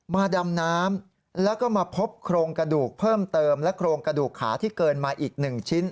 ดำน้ำแล้วก็มาพบโครงกระดูกเพิ่มเติมและโครงกระดูกขาที่เกินมาอีก๑ชิ้น